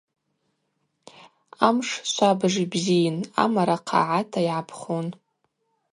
Амш швабыж йбзийын, амара хъагӏата йгӏапхун.